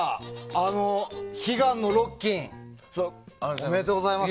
悲願のロッキンおめでとうございます。